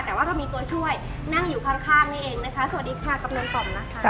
แต่ว่าเรามีตัวช่วยนั่งอยู่ข้างนี่เองนะคะ